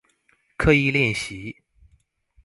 刻意練習